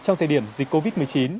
trong thời điểm dịch covid một mươi chín